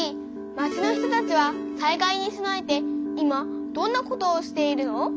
町の人たちは災害に備えて今どんなことをしているの？